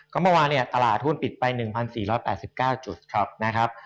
ก็เมื่อวานเนี่ยตลาดหุ้นปิดไป๑๔๘๙จุดนะครับ